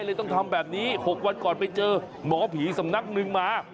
ต้องทำแบบนี้๖วันก่อนไปเจอหมอผีสำนักหนึ่งมา